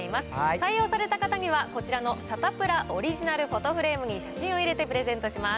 採用された方には、こちらのサタプラオリジナルフォトフレームに写真を入れてプレゼントします。